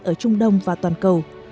ở trung đông và toàn cầu